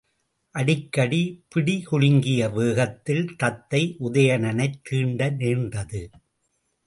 அடிக்கடி பிடி குலுங்கிய வேகத்தில் தத்தை, உதயணனைத் தீண்ட நேர்ந்தது.